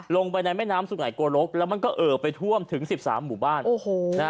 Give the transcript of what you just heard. ลงไปในแม่น้ำสุไหงโกรกแล้วมันก็เอ่อไปท่วมถึง๑๓หมู่บ้าน